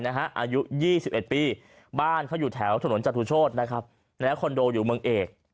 อายุ๒๑ปีบ้านเขาอยู่แถวถนนจตุโชธคอนโดอยู่เมืองเอก